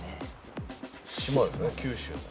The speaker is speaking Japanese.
島ですね九州の。